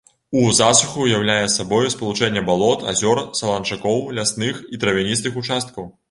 У засуху ўяўляе сабой спалучэнне балот, азёр, саланчакоў, лясных і травяністых участкаў.